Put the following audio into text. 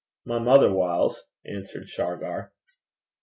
'My mither whiles,' answered Shargar.